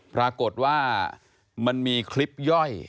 ปรากฏว่ามันมีคลิปย่อย